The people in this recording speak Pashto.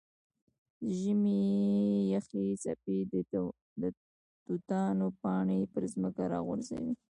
د ژمي یخې څپې د توتانو پاڼې پر ځمکه راغورځوي.